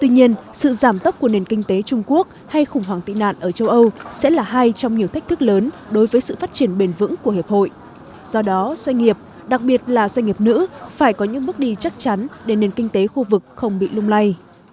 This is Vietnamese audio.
nhưng sự giảm tốc của nền kinh tế trung quốc hay khủng hoảng tị nạn ở châu âu sẽ là hai trong nhiều thách thức lớn đối với sự phát triển bền vững của hiệp hội do đó doanh nghiệp đặc biệt là doanh nghiệp nữ phải có những bước đi chắc chắn để nền kinh tế khu vực không bị lung lay